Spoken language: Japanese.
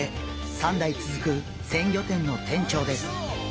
３代続く鮮魚店の店長です。